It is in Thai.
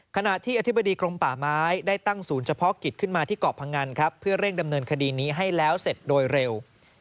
ขณะที่อธิบดีกรมป่าไม้ได้ตั้งศูนย์เฉพาะกิจขึ้นมาที่เกาะพงันครับเพื่อเร่งดำเนินคดีนี้ให้แล้วเสร็จโดยเร็ว